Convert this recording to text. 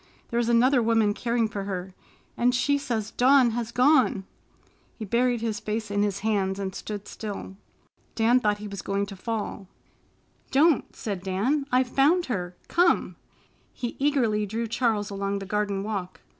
There is another woman caring for her and she says Dawn has gone." He buried his face in his hands and stood still. Dan thought he was going to fall. "Don't!" said Dan. "I've found her. Come!" He eagerly drew Charles along the garden walk.